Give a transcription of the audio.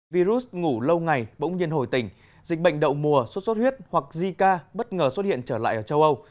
virus ngủ lâu ngày bỗng nhiên hồi tỉnh dịch bệnh đậu mùa suốt suốt huyết hoặc zika bất ngờ xuất hiện trở lại ở châu âu